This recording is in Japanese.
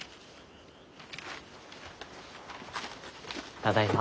ただいま。